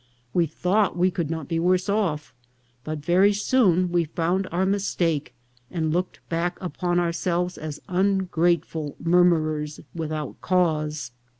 "We thought we could not be worse off, but very soon we found our mistake, and looked back upon ourselves as ungrateful murmurers without cause.